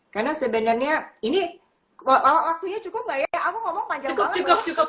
karena sebenarnya ini waktunya cukup nggak ya aku ngomong panjang banget